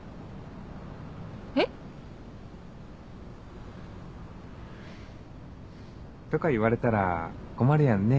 えっ？とか言われたら困るやんね。